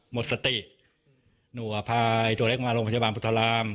หมดสติหนูอพายตัวเล็กมาโรงพยาบาลพุทธราม